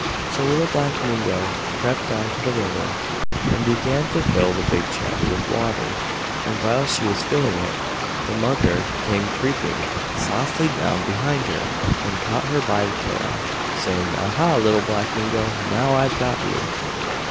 So Little Black Mingo crept down to the river, and began to fill the big chatty with water. And while she was filling it the Mugger came creeping softly down behind her and caught her by the tail, saying, "Aha, Little Black Mingo, now I've got you."